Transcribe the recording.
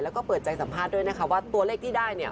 แล้วก็เปิดใจสัมภาษณ์ด้วยนะคะว่าตัวเลขที่ได้เนี่ย